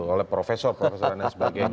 oleh profesor profesor dan sebagainya